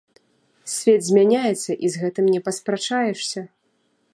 Свет змяняецца, і з гэтым не паспрачаешся.